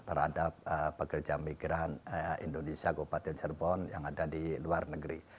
terhadap pekerja migran indonesia kabupaten cirebon yang ada di luar negeri